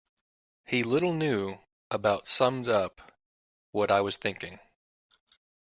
He little knew, about summed up what I was thinking.